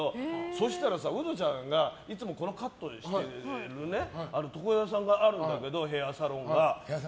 そしたらさ、ウドちゃんがいつもこのカットにしてる床屋さんがあるんだけどヘアーサロンが。